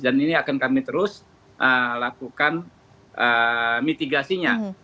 dan ini akan kami terus lakukan mitigasinya